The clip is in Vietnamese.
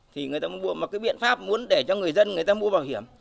thì người ta mới mua mà cái biện pháp muốn để cho người dân người ta mua bảo hiểm